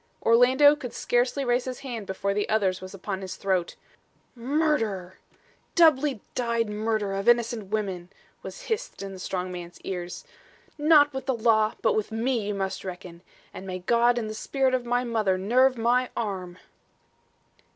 Orlando could scarcely raise his hand before the other's was upon his throat. "Murderer! doubly dyed murderer of innocent women!" was hissed in the strong man's ears. "Not with the law but with me you must reckon, and may God and the spirit of my mother nerve my arm!"